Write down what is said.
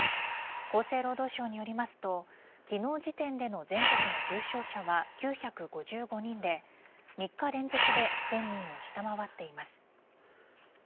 厚生労働省によりますと昨日時点での全国の重症者は９５５人で３日連続で１０００人を下回っています。